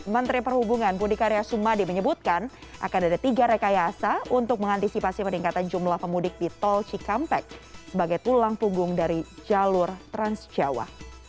menteri perhubungan budi karya sumadi menyebutkan akan ada tiga rekayasa untuk mengantisipasi peningkatan jumlah pemudik di tol cikampek sebagai tulang punggung dari jalur transjawa